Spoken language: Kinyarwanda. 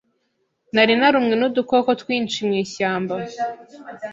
Nari narumwe nudukoko twinshi mwishyamba.